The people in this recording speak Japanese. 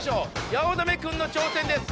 八乙女君の挑戦です。